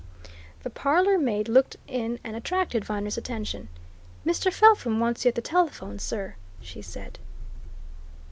The parlour maid looked in and attracted Viner's attention. "Mr. Felpham wants you at the telephone, sir," she said.